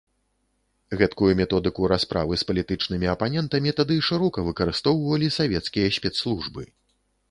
Гэткую методыку расправы з палітычнымі апанентамі тады шырока выкарыстоўвалі савецкія спецслужбы.